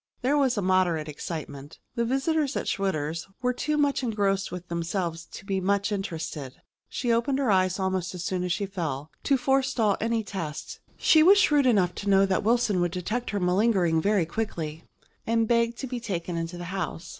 There was a moderate excitement. The visitors at Schwitter's were too much engrossed with themselves to be much interested. She opened her eyes almost as soon as she fell to forestall any tests; she was shrewd enough to know that Wilson would detect her malingering very quickly and begged to be taken into the house.